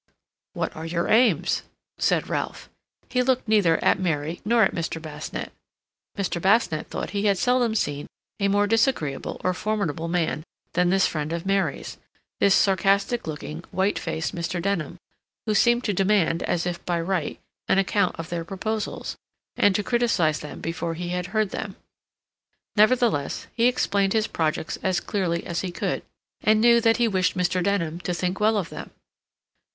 "What are your aims?" said Ralph. He looked neither at Mary nor at Mr. Basnett. Mr. Basnett thought he had seldom seen a more disagreeable or formidable man than this friend of Mary's, this sarcastic looking, white faced Mr. Denham, who seemed to demand, as if by right, an account of their proposals, and to criticize them before he had heard them. Nevertheless, he explained his projects as clearly as he could, and knew that he wished Mr. Denham to think well of them.